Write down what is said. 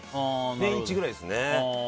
年１くらいですね。